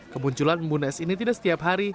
kemunculan embun es ini tidak setiap hari